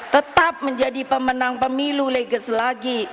tetap menjadi pemenang pemilu legis lagi